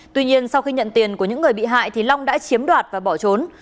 tuy nhiên sau khi nhận tiền của những người bị hại thì long đã chiếm đoạt và bỏ trốn